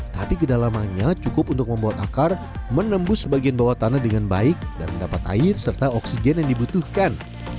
tapi kedalamannya cukup untuk membuat akar menembus bagian bawah tanah dengan baik dan mendapat air serta oksigen yang dibutuhkan